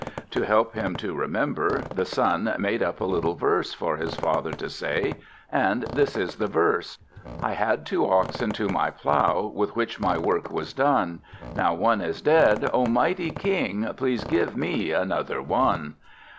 To help him to remember, the son made up a little verse for his father to say, and this is the verse: "I had two oxen to my plough, with which my work was done. Now one is dead: O, mighty king, please give me another one!"